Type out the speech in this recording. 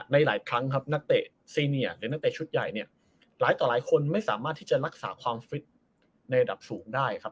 หลายครั้งครับนักเตะซีเนียหรือนักเตะชุดใหญ่เนี่ยหลายต่อหลายคนไม่สามารถที่จะรักษาความฟิตในระดับสูงได้ครับ